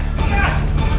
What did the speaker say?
eh kenapa semua